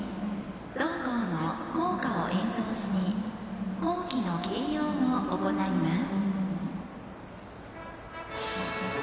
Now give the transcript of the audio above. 同校の校歌を演奏して校旗の掲揚を行います。